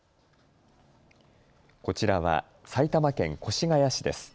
こちらは埼玉県越谷市です。